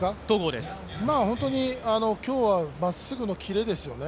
本当に今日はまっすぐのキレですよね。